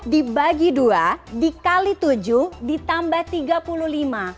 dibagi dua dikali tujuh ditambah tiga puluh lima